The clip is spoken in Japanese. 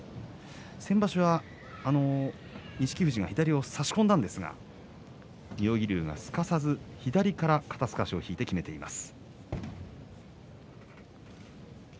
先場所は錦富士が左を差し込んだんですが妙義龍がすかさず左から肩すかしを引いてきめています。